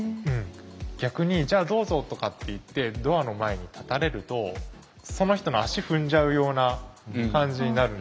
逆に「じゃあどうぞ」とかっていってドアの前に立たれるとその人の足踏んじゃうような感じになる。